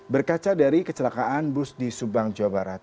berkaca dari kecelakaan bus di subang jawa barat